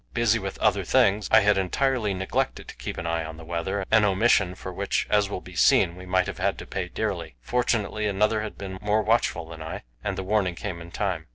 Busy with other things, I had entirely neglected to keep an eye on the weather, an omission for which, as will be seen, we might have had to pay dearly. Fortunately, another had been more watchful than I, and the warning came in time.